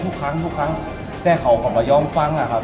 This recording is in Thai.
ทุกครั้งทุกครั้งแต่เขาก็ไม่ยอมฟังอะครับ